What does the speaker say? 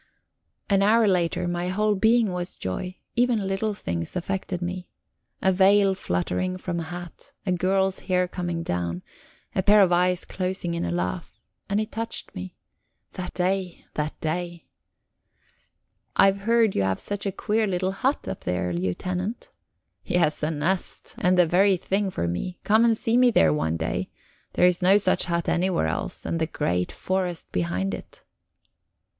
An hour later, my whole being was joy; even little things affected me. A veil fluttering from a hat, a girl's hair coming down, a pair of eyes closing in a laugh and it touched me. That day, that day! "I've heard you've such a queer little hut up there, Lieutenant?" "Yes, a nest. And the very thing for me. Come and see me there one day; there's no such hut anywhere else. And the great forest behind it."